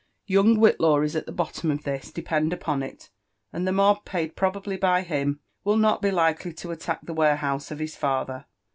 Young Whillaw is at the bottom of this, depend upon it ; and the mob, paid probably by him, will not be likely to attack the warehouse of his father.